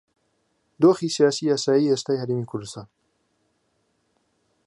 دۆخە سیاسی و یاساییەی ئێستای هەرێمی کوردستان